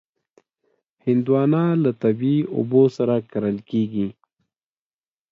هندوانه له طبعي اوبو سره کرل کېږي.